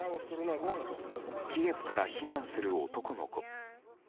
キエフから避難する男の子。